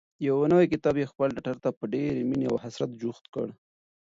یو نوی کتاب یې خپل ټټر ته په ډېرې مینې او حسرت جوخت کړ.